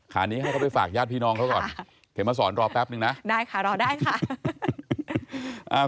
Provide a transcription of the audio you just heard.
นี้ให้เขาไปฝากญาติพี่น้องเขาก่อนเข็มมาสอนรอแป๊บนึงนะได้ค่ะรอได้ค่ะ